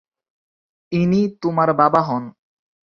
ইনি তোমার বাবা হন।